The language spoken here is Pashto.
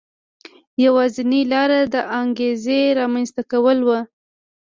یوازینۍ لار د انګېزې رامنځته کول و.